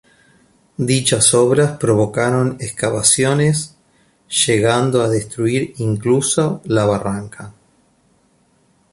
Dichas obras provocaron excavaciones, llegando a destruir incluso la barranca.